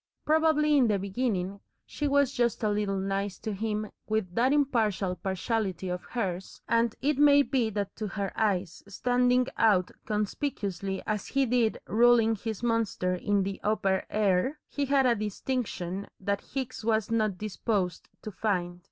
Probably in the beginning she was just a little "nice" to him with that impartial partiality of hers, and it may be that to her eyes, standing out conspicuously as he did ruling his monster in the upper air, he had a distinction that Hicks was not disposed to find.